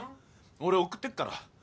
俺送ってくから。